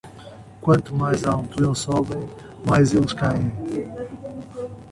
Quanto mais alto eles sobem, mais eles caem.